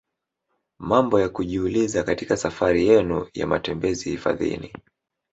Mambo ya kujiuliza katika safari yenu ya matembezi hifadhini